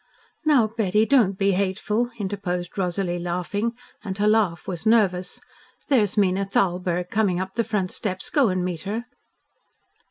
"Now Betty, don't be hateful," interposed Rosalie, laughing, and her laugh was nervous. "There's Mina Thalberg coming up the front steps. Go and meet her."